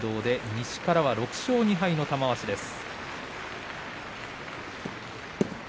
西からは６勝２敗の玉鷲です。